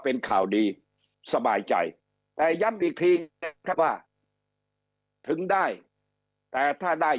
เป็นข่าวดีสบายใจแต่ย้ำอีกทีครับว่าถึงได้แต่ถ้าได้